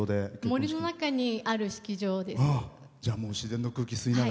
森の中にある式場です。